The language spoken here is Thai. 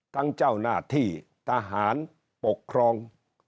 เจ้าหน้าที่ทหารปกครอง